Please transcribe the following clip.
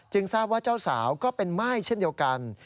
ทราบว่าเจ้าสาวก็เป็นม่ายเช่นเดียวกัน